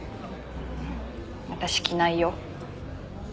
ふん私着ないよ。